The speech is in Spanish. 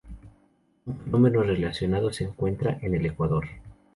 Un fenómeno relacionado se encuentra en el ecuador.